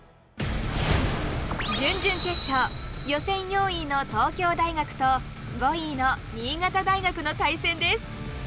予選４位の東京大学と５位の新潟大学の対戦です。